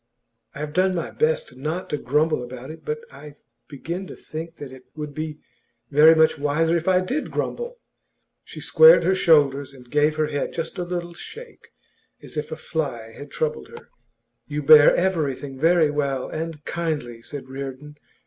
I have done my best not to grumble about it, but I begin to think that it would be very much wiser if I did grumble.' She squared her shoulders, and gave her head just a little shake, as if a fly had troubled her. 'You bear everything very well and kindly,' said Reardon.